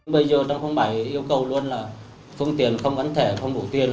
bây giờ trong bảy yêu cầu luôn là phương tiện không gắn thẻ không đủ tiền